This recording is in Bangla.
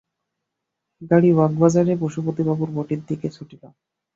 গাড়ী বাগবাজারে পশুপতি বাবুর বাটীর দিকে ছুটিল।